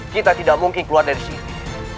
kita tidak mungkin keluar dari sini